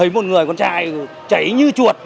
một con trai cháy như chuột